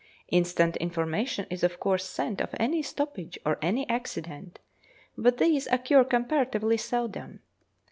Instant information is of course sent of any stoppage or any accident, but these occur comparatively seldom.